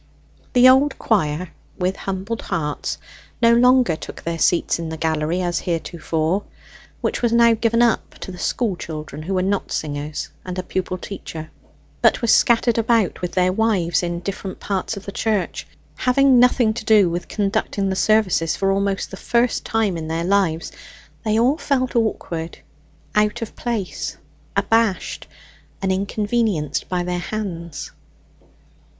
The old choir, with humbled hearts, no longer took their seats in the gallery as heretofore (which was now given up to the school children who were not singers, and a pupil teacher), but were scattered about with their wives in different parts of the church. Having nothing to do with conducting the service for almost the first time in their lives, they all felt awkward, out of place, abashed, and inconvenienced by their hands.